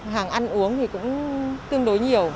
hàng ăn uống thì cũng tương đối nhiều